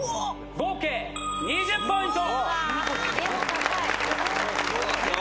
合計２０ポイント！